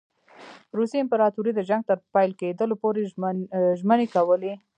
روسي امپراطوري د جنګ تر پیل کېدلو پوري ژمنې کولې.